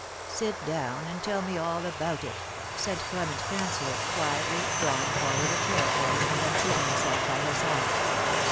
" Sit down, and tell me all about it," said Clement Cancellor quietly, drawing forward a chair for her, and then seating him self by her side.